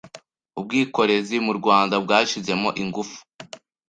ubwikorezi mu Rwanda bwashyizemo ingufu